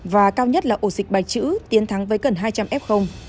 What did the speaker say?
và cao nhất là ổ dịch bạch chữ tiến thắng với gần hai trăm linh f